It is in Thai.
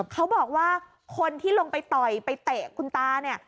เขาบอกว่าคนที่ลงไปต่อยไปเตะคุณตาเนี่ย